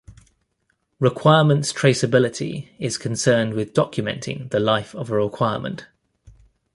Requirements traceability is concerned with documenting the life of a requirement.